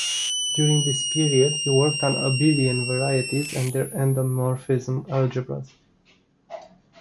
During this period he worked on Abelian varieties and their endomorphism algebras.